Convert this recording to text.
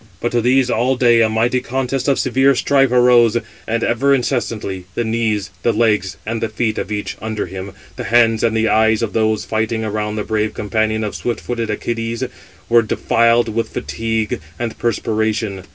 But to these all day a mighty contest of severe strife arose, and ever incessantly the knees, the legs, and the feet of each under him, the hands and the eyes of those fighting around the brave companion of swift footed Æacides, were defiled with fatigue and perspiration.